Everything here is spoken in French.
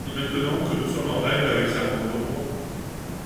Et maintenant que nous sommes en règle avec sa grande ombre …